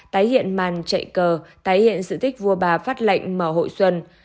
tái hiện màn chạy cờ tái hiện sự tích vua bà phát lệnh mở hội xuân